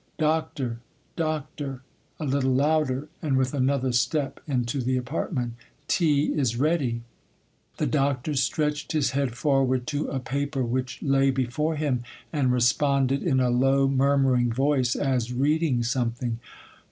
'Doctor! Doctor!' a little louder, and with another step into the apartment,—'tea is ready.' The Doctor stretched his head forward to a paper which lay before him, and responded in a low, murmuring voice, as reading something.